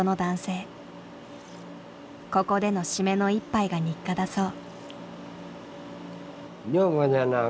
ここでのシメの一杯が日課だそう。